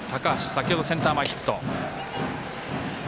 先ほどセンター前ヒット。